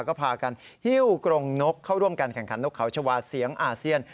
ก็พากันฮิ้วกรงนกเข้าร่วมการแข่งขันนกเขาชาวาเสียงอาเซียน